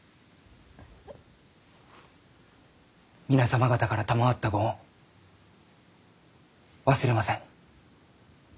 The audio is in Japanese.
皆様方から賜ったご恩忘れません。